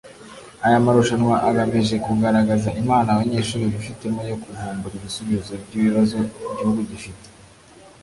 Aya marushanwa agamije kugaragaza impano abanyeshuri bifitemo yo kuvumbura ibisubizo by’ibibazo igihugu gifite